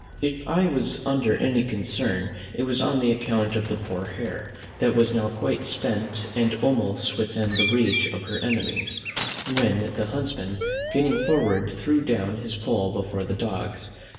If I was under any concern it was on the account of the poor hare, that was now quite spent and almost within the reach of her enemies; when the huntsman getting forward threw down his pole before the dogs.